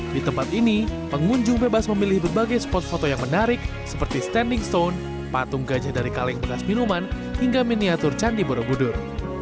di tempat ini pengunjung bebas memilih berbagai spot foto yang menarik seperti standing stone patung gajah dari kaleng bekas minuman hingga miniatur candi borobudur